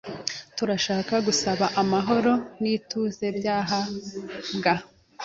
Turashaka gusaba ko amahoro n'ituze byahabwa